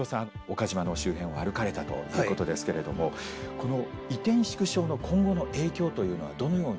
岡島の周辺を歩かれたということですけれどもこの移転縮小の今後の影響というのはどのように考えてらっしゃいますか？